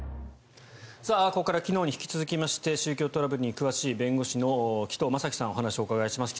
ここから昨日に引き続きまして宗教トラブルに詳しい弁護士の紀藤正樹さんにお話をお伺いします。